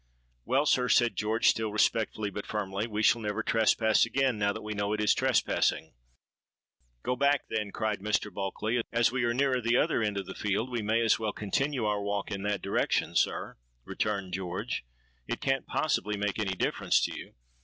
'—'Well, sir,' said George, still respectfully but firmly, 'we shall never trespass again, now that we know it is trespassing.'—'Go back, then!' cried Mr. Bulkeley.—'As we are nearer the other end of the field, we may as well continue our walk in that direction, sir,' returned George. 'It can't possibly make any difference to you.'